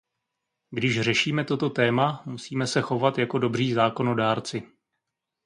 Když řešíme toto téma, musíme se chovat jako dobří zákonodárci.